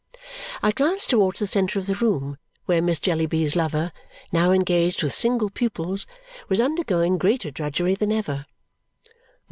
I glanced towards the centre of the room, where Miss Jellyby's lover, now engaged with single pupils, was undergoing greater drudgery than ever.